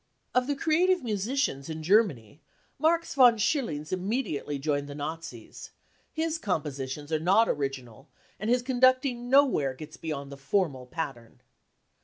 Of the creative musicians in Germany, Marx von Schillings immediately joined the Nazis ; his compositions are not original, and his conducting nowhere gets beyond the formal pattern.